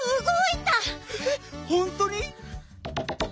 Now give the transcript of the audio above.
えっほんとに？